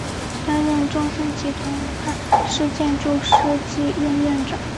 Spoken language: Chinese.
担任中信集团武汉市建筑设计院院长。